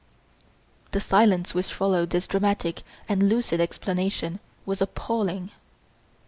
The silence which followed this dramatic and lucid explanation was appalling.